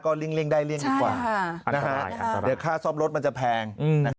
ก็ลิ่งได้ลิ่งดีกว่านะครับเดี๋ยวค่าซ่อมรถมันจะแพง